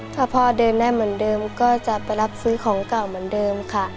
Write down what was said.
ถ้าพ่อเดินได้เหมือนเดิมก็จะไปรับซื้อของเก่าเหมือนเดิมค่ะ